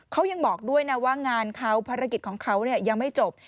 เขายังบอกด้วยนะว่างานเขาภารกิจของเขายังไม่จบ